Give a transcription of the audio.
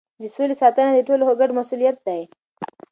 د سولې ساتنه د ټولو ګډ مسؤلیت دی.